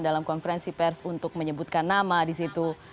dalam konferensi pers untuk menyebutkan nama di situ